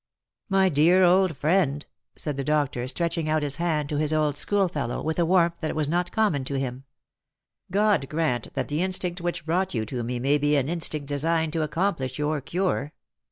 "My dear old friend," said the doctor, stretching out his hand to his old schoolfellow with a warmth that was not common to him, " God grant that the instinct which brought you to me may be an instinct designed to accomplish your cure